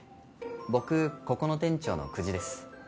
僕ここの店長の久地です。